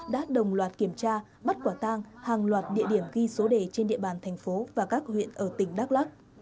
đã đồng loạt kiểm tra bắt quả tang hàng loạt địa điểm ghi số đề trên địa bàn thành phố và các huyện ở tỉnh đắk lắc